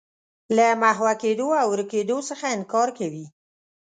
له محوه کېدو او ورکېدو څخه انکار کوي.